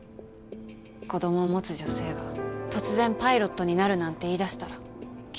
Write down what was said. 子供を持つ女性が突然パイロットになるなんて言いだしたらきっと止められる。